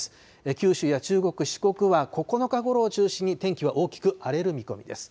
九州や中国、四国は、９日ごろを中心に天気は大きく荒れる見込みです。